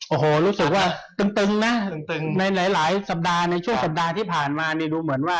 โอ้โหรู้สึกว่าตึงนะตึงในหลายสัปดาห์ในช่วงสัปดาห์ที่ผ่านมานี่ดูเหมือนว่า